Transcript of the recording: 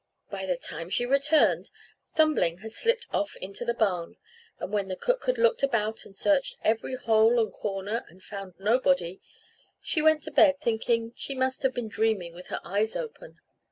By the time she returned, Thumbling had slipped off into the barn; and when the cook had looked about and searched every hole and corner, and found nobody, she went to bed, thinking she must have been dreaming with her eyes open.